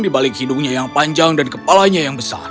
di balik hidungnya yang panjang dan kepalanya yang besar